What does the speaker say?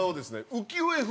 浮世絵風。